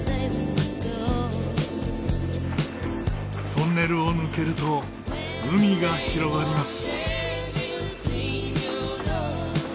トンネルを抜けると海が広がります。